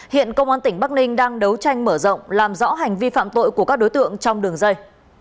hiện công an tỉnh bắc ninh đang đấu tranh mở rộng làm rõ hành vi phạm tội của các đối tượng trong đường dây